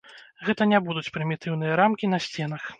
Гэта не будуць прымітыўныя рамкі на сценах.